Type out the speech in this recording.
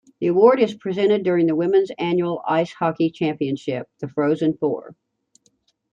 The award is presented during the women's annual ice hockey championship, the Frozen Four.